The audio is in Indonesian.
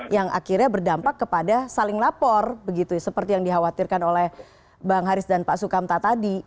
yang akhirnya berdampak kepada saling lapor begitu seperti yang dikhawatirkan oleh bang haris dan pak sukamta tadi